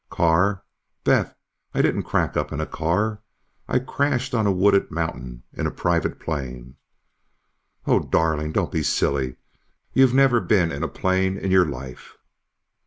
"Car? Beth, I didn't crack up in a car. I crashed on a wooded mountain in a private plane." "Oh, darling, don't be silly! You've never been in a plane in your life."